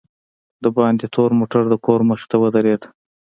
دباندې تور موټر دکور مخې ته ودرېد.